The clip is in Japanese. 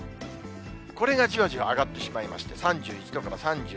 これがじわじわ上がってしまいまして、３１度から３２、３度。